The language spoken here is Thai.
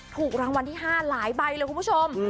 ถูกรางวัลที่๕หลายใบเลยคุณผู้ชม